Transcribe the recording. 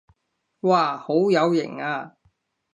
哇好有型啊